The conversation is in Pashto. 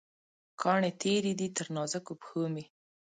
کاڼې تېره دي، تر نازکو پښومې